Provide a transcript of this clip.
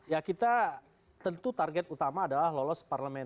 ya kita tentu target utama adalah lolos parlemen